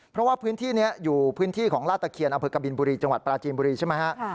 เพราะว่าพื้นที่นี้อยู่พื้นที่ของลาตะเคียนอำเภอกบินบุรีจังหวัดปราจีนบุรีใช่ไหมฮะ